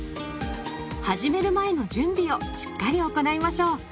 始める前の準備をしっかり行いましょう。